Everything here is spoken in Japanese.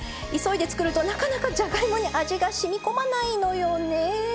急いで作るとなかなかじゃがいもに味がしみこまないのよね。